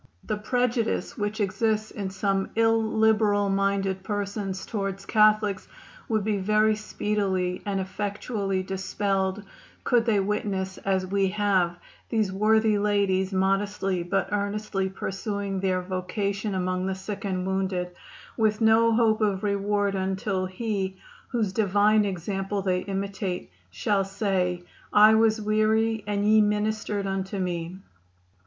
The prejudice which exists in some illiberal minded persons toward Catholics would be very speedily and effectually dispelled could they witness, as we have, these worthy ladies modestly but earnestly pursuing their vocation among the sick and wounded, with no hope of reward until He, whose divine example they imitate, shall say: 'I was weary and ye ministered unto me.